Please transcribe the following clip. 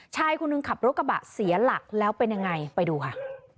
ชายคนหนึ่งขับรถกระบะเสียหลักแล้วเป็นยังไงไปดูค่ะ